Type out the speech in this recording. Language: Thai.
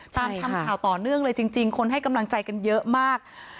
ตามทำข่าวต่อเนื่องเลยจริงคนให้กำลังใจกันเยอะมาก